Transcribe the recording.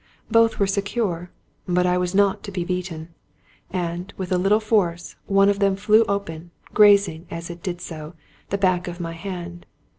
Both were secure ; but I was not to be beaten ; and, with a little force, one of them flew open, grazing, as it did so, the back of my hand.